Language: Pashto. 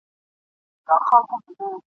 ښکارول به یې سېلونه د مرغانو !.